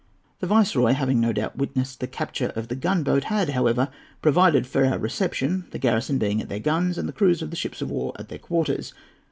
The Viceroy, having no doubt witnessed the capture of the gunboat, had, however, provided for our reception, the garrison being at their guns, and the crews of the ships of war at their quarters.